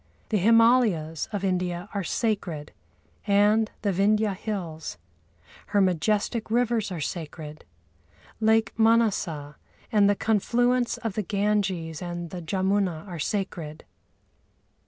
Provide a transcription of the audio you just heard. The Himâlayas of India are sacred and the Vindhya Hills. Her majestic rivers are sacred. Lake Mânasa and the confluence of the Ganges and the Jamuna are sacred.